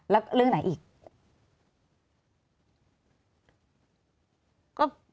แล้วเรื่องไหนอีก